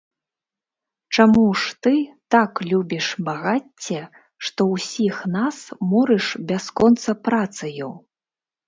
Чаму ж ты так любіш багацце, што ўсіх нас морыш бясконца працаю?